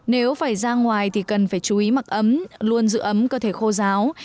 nếu phải ra ngoài thì cần phải chú ý mặc ấm luôn giữ ấm cơ thể khô giáo